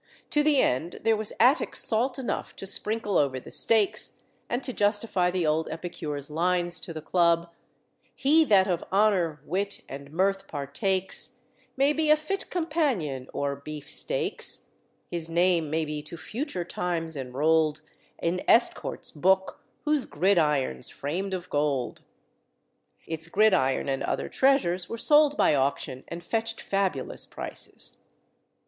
To the end there was Attic salt enough to sprinkle over "the Steaks," and to justify the old epicure's lines to the club: "He that of honour, wit, and mirth partakes, May be a fit companion o'er beef steaks; His name may be to future times enrolled In Estcourt's book, whose gridiron's framed of gold." Its gridiron and other treasures were sold by auction, and fetched fabulous prices.